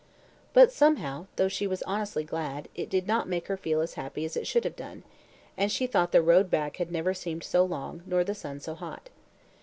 But somehow, though she was honestly glad, it did not make her feel as happy as it should have done, and she thought the road back had never seemed so long, nor the sun so hot.